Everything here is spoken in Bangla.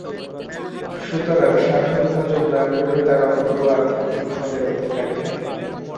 সুতরাং সাধন-ভজন না করেও তারা অপূর্ব আধ্যাত্মিক ফলের অধিকারী হয়।